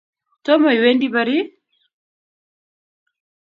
Tomo iwendi Pari?